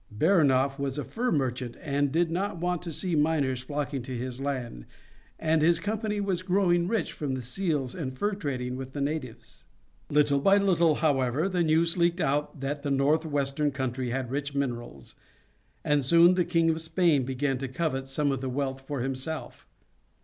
Baranof was a fur merchant, and did not want to see miners flocking to his land, as his company was growing rich from the seals and fur trading with the natives. Little by little, however, the news leaked out that the northwestern country had rich minerals, and soon the King of Spain began to covet some of that wealth for himself.